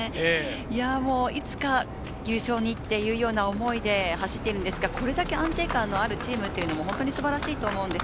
いつか優勝にっていうような思いで走っているんですけど、これだけ安定感のあるチームも素晴らしいと思うんです。